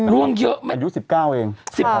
ร่วงเยอะอายุ๑๙เอง